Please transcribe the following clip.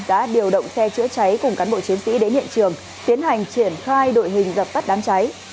đã điều động xe chữa cháy cùng cán bộ chiến sĩ đến hiện trường tiến hành triển khai đội hình dập tắt đám cháy